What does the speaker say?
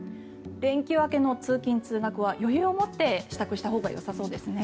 連休明けの通勤・通学は余裕を持って支度したほうがよさそうですね。